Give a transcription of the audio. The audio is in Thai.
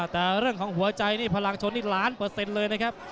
แต่เรื่องของหัวใจนี่พลังชนนี่ล้านเปอร์เซ็นต์เลยนะครับ